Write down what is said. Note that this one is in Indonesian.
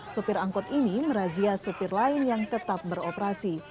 sopir angkut ini merazia sopir lain yang tetap beroperasi